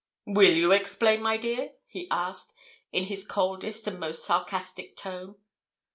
'Will you explain, my dear?' he asked, in his coldest and most sarcastic tone.